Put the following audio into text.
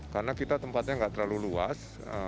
karena kita tempatnya nggak terlalu luas enam lima ratus